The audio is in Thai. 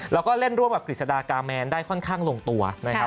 แล้วก็เล่นร่วมกับกฤษฎากาแมนได้ค่อนข้างลงตัวนะครับ